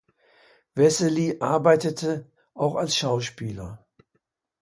Wessely arbeitete auch als Schauspieler.